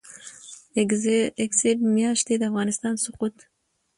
اګسټ میاشتې د افغانستان سقوط